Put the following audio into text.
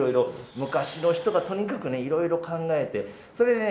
昔の人がとにかくね色々考えてそれでね